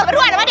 berdua sama dia